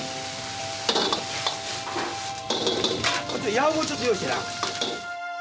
ヤーコンちょっと用意してな！